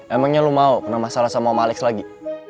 emangnya lu mau kena masalah sama om alex lagi